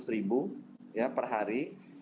lima ratus ribu per hari